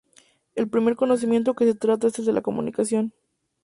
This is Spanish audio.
El primer conocimiento que se trata es el de la comunicación.